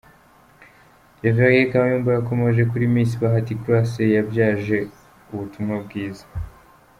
Rev Kayumba yakomoje kuri Miss Bahati Grace yabyaje ubutumwa bwiza.